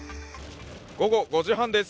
午後５時半です。